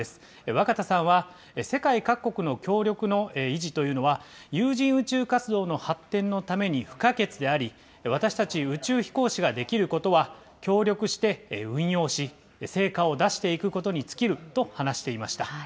若田さんは、世界各国の協力の維持というのは、有人宇宙活動の発展のために不可欠であり、私たち宇宙飛行士ができることは、協力して運用し、成果を出していくことに尽きると話していました。